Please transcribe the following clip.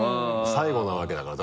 最後なわけだから。